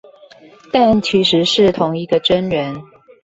但其實是同一個真人